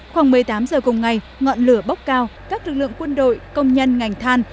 khoảng một mươi tám giờ cùng ngày ngọn lửa bốc cao các lực lượng quân đội công nhân ngành than